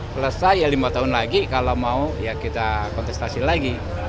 selesai ya lima tahun lagi kalau mau ya kita kontestasi lagi